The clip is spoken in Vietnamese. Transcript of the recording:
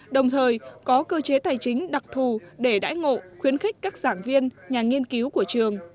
đồng thời có cơ chế tài chính đặc thù để đãi ngộ khuyến khích các giảng viên nhà nghiên cứu của trường